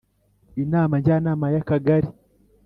Inama Njyanama y Akagari